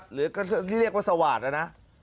หรือก็เรียกว่าสวาสน์นะนะ